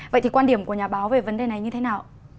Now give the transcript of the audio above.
vậy thì quan điểm của nhà báo về vấn đề này như thế nào